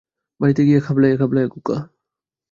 বাড়িত গিয়া খাবলাইয়া-খাবলাইয়া গু খা।